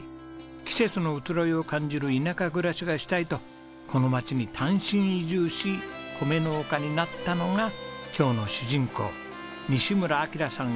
季節の移ろいを感じる田舎暮らしがしたいとこの町に単身移住し米農家になったのが今日の主人公西村暁良さん